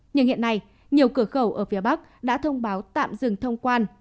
nhưng hiện nay nhiều cửa khẩu ở phía bắc đã thông báo tạm dừng thông quan